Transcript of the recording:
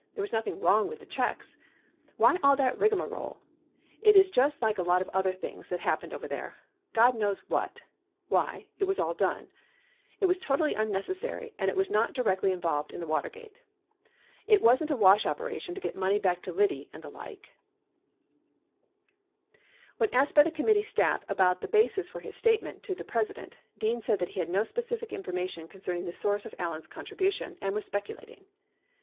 There was nothing wrong with the checks. Why all that rigmarole? It is just like a lot of other things that happened over there. God knows what [why] it was all done. It was totally unnecessary and it was not directly invol ved in the Watergate. It wasn't a wash operation to get money back to Biddy and the like. 72 71 Allen executive session; .Tune 7, 1974. n. 111. 72 Presidential transcripts, March 13, 1973 ; pp. 137 138. 522 When asked by the committee staff about the basis for his statement to the President, Dean said that he had no specific information con cerning the source of Allen's contribution and was speculating.